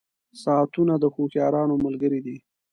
• ساعتونه د هوښیارانو ملګري دي.